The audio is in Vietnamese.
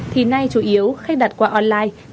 thì nay chủ yếu khách đặt quà online